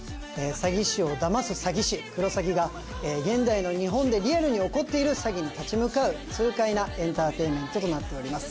詐欺師をだます詐欺師クロサギが現代の日本でリアルに起こっている詐欺に立ち向かう痛快なエンターテインメントとなっております